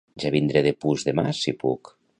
Ja vindré despús-demà, si puc.